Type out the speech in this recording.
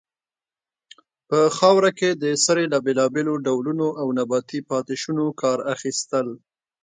په خاوره کې د سرې له بیلابیلو ډولونو او نباتي پاتې شونو کار اخیستل.